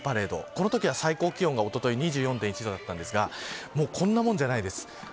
このときは最高気温はおととい２４．１度だったんですがこんなもんじゃないです。